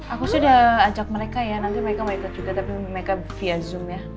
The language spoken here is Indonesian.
aku sih udah ajak mereka ya nanti mereka mau ikut juga tapi mereka via zoom ya